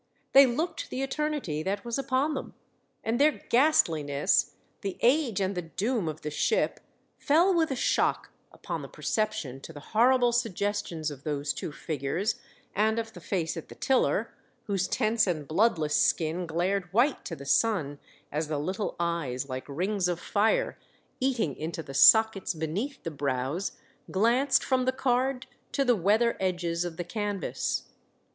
They looked the eternity that was upon them, and their ghastliness, the age and the doom of the ship, fell with a shock upon the perception to the horrible suggestions of those two figures and of the face at the tiller, whose tense and bloodless skin glared white to the sun as the little eyes, like rings of fire eating into the sockets beneath the brows, glanced from the card to the weather edges of the canvas.